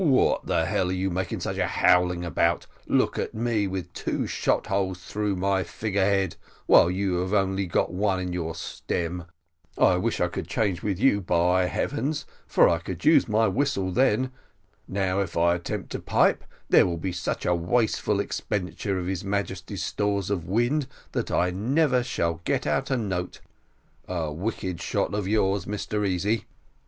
"What the hell are you making such a howling about? Look at me, with two shot holes through my figure head, while you have only got one in your stern: I wish I could change with you, by heavens, for I could use my whistle then now if I attempt to pipe, there will be such a wasteful expenditure of his Majesty's stores of wind, that I never shall get out a note. A wicked shot of yours, Mr Easy."